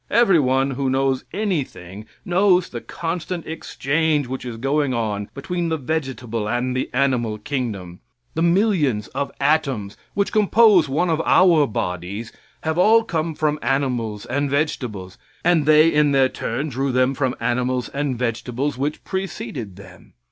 Everyone who knows anything knows the constant exchange which is going on between the vegetable and animal kingdom. The millions of atoms which compose one of our bodies have all come from animals and vegetables, and they in their turn drew them from animals and vegetables which preceded them.